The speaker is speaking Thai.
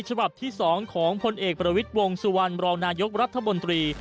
ฉบับที่๒ของพลเอกประวิทย์วงสุวรรณรองนายกรัฐมนตรี